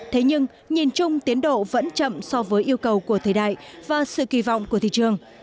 thế nhưng nhìn chung tiến độ vẫn chậm so với yêu cầu của thời đại và sự kỳ vọng của thị trường